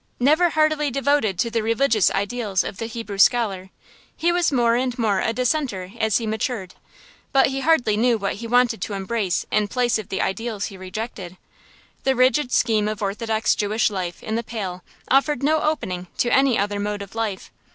Never heartily devoted to the religious ideals of the Hebrew scholar, he was more and more a dissenter as he matured, but he hardly knew what he wanted to embrace in place of the ideals he rejected. The rigid scheme of orthodox Jewish life in the Pale offered no opening to any other mode of life.